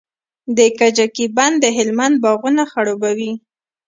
د کجکي بند د هلمند باغونه خړوبوي.